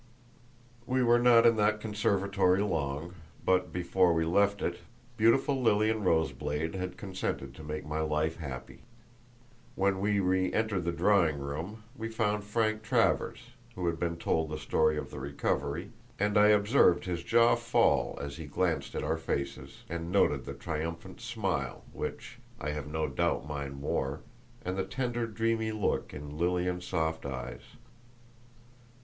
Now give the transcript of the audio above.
We were not in the conservatory long, but before we left it beautiful Lilian Roseblade had consented to make my life happy. When we reentered the drawing room we found Frank Travers, who had been told the story of the recovery; and I observed his jaw fall as he glanced at our faces, and noted the triumphant smile which I have no doubt mine wore, and the tender, dreamy look in Lilian's soft eyes.